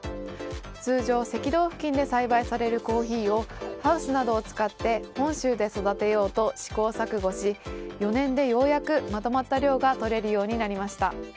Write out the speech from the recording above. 通常、赤道付近で栽培されるコーヒーをハウスなどを使って本州で育てようと試行錯誤し４年でようやくまとまった量が採れるようになりました。